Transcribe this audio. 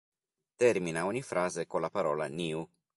Termina ogni frase con la parola "nyu".